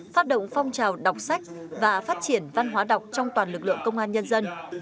phát động phong trào đọc sách và phát triển văn hóa đọc trong toàn lực lượng công an nhân dân